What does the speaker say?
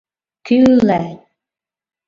— Кӱллӓ...